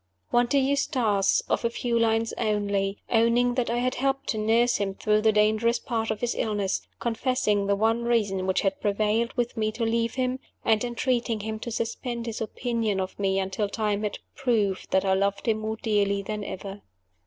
One to Eustace (of a few lines only), owning that I had helped to nurse him through the dangerous part of his illness; confessing the one reason which had prevailed with me to leave him; and entreating him to suspend his opinion of me until time had proved that I loved him more dearly than ever.